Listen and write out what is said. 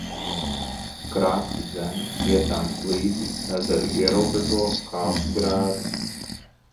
Krasti zemi, vietām slīpi, ezeru ierobežo kāpu grēdas.